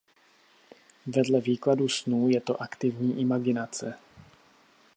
Vedle výkladu snů je to aktivní imaginace.